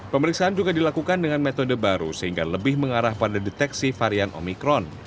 pemeriksaan juga dilakukan dengan metode baru sehingga lebih mengarah pada deteksi varian omikron